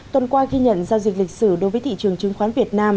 tuần qua ghi nhận giao dịch lịch sử đối với thị trường chứng khoán việt nam